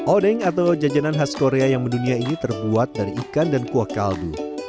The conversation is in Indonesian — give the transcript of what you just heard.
odeng atau jajanan khas korea yang mendunia ini terbuat dari ikan dan kuah kaldu